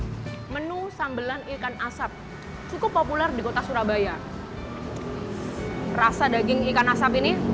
hai menu sambelan ikan asap cukup populer di kota surabaya rasa daging ikan asap ini